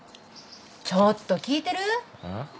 ちょっと聞いてる？あっ？